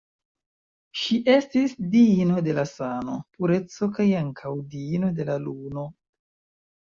Ŝi estis diino de sano, pureco kaj ankaŭ diino de la Luno.